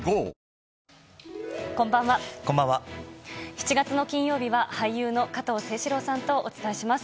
７月の金曜日は、俳優の加藤清史郎さんとお伝えします。